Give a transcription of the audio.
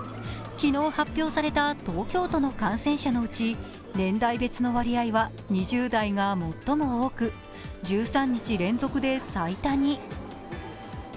昨日発表された東京都の感染者のうち年代別の割合は２０代が最も多く１３日連続で最多に。